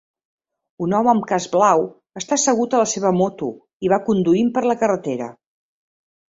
Un home amb casc blau està assegut a la seva moto i va conduint per la carretera.